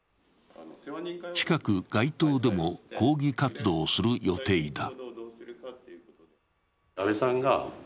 近く街頭でも抗議活動をする予定だ。